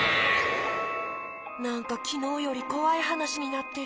なんかきのうよりこわいはなしになってる。